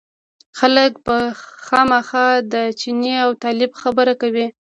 خلک به خامخا د چیني او طالب خبره کوي.